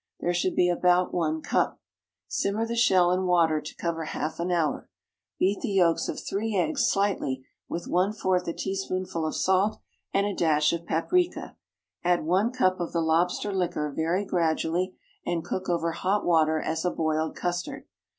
There should be about one cup. Simmer the shell in water to cover half an hour. Beat the yolks of three eggs, slightly, with one fourth a teaspoonful of salt and a dash of paprica; add one cup of the lobster liquor very gradually, and cook over hot water as a boiled custard.